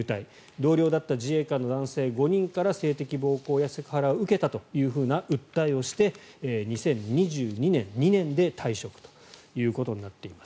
同僚だった自衛官の男性５人から性的暴行やセクハラを受けたというふうな訴えをして２０２２年、２年で退職ということになっています。